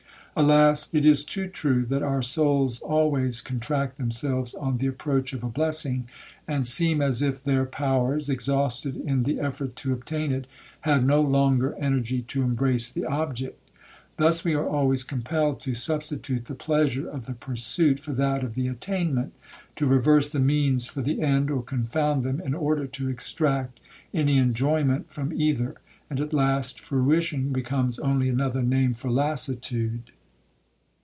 Alas! it is too true that our souls always contract themselves on the approach of a blessing, and seem as if their powers, exhausted in the effort to obtain it, had no longer energy to embrace the object. Thus we are always compelled to substitute the pleasure of the pursuit for that of the attainment,—to reverse the means for the end, or confound them, in order to extract any enjoyment from either, and at last fruition becomes only another name for lassitude.